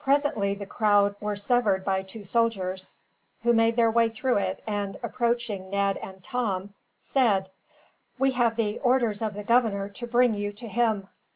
Presently the crowd were severed by two soldiers, who made their way through it and, approaching Ned and Tom, said: "We have the orders of the governor to bring you to him."